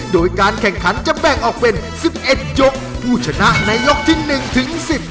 โดยการแข่งขันจะแบกออกเป็นสิบเอ็ดยกผู้ชนะในยกที่หนึ่งถึงสิบ